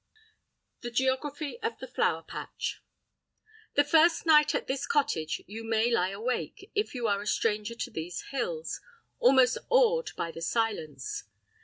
V The Geography of the Flower Patch THE first night at this cottage you may lie awake, if you are a stranger to these hills, almost awed by the silence.